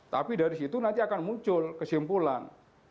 tapi dari situ nanti akan muncul kesimpulan